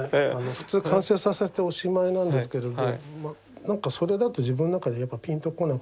普通完成させておしまいなんですけれどまあなんかそれだと自分の中でやっぱぴんとこなくて。